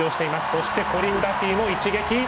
そして、コリン・ダフィーも一撃。